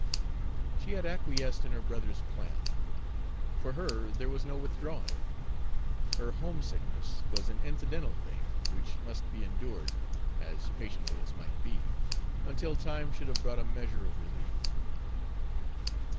She had acquiesced in her brother's plan; for her there was no withdrawing; her homesickness was an incidental thing which must be endured, as patiently as might be, until time should have brought a measure of relief.